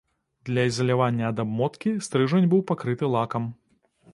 Для ізалявання ад абмоткі, стрыжань быў пакрыты лакам.